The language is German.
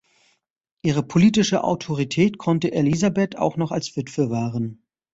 Ihre politische Autorität konnte Elisabeth auch noch als Witwe wahren.